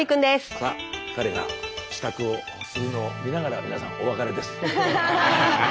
さあ彼が支度をするのを見ながら皆さんお別れです。